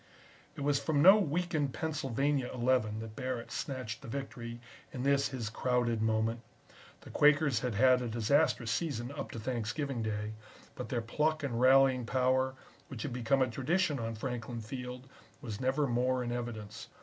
It was from no weakened Pennsylvania Eleven that Barrett snatched the victory in this his crowded moment. The Quakers had had a disastrous season up to Thanksgiving Day, but their pluck and rallying power, which has become a tradition on Franklin Field, was never more in evidence.